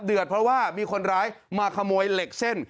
เพราะว่ามีคนร้ายมาขโมยเหล็กเส้น